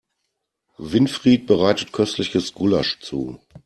Winfried bereitet köstliches Gulasch zu.